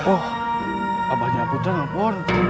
wah abahnya aputra nopun